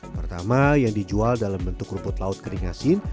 pertama yang dijual dalam bentuk rumput laut kering asin